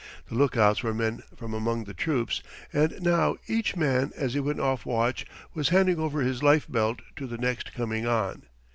The lookouts were men from among the troops, and now each man as he went off watch was handing over his life belt to the next coming on.